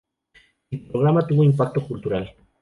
El programa tuvo impacto cultural.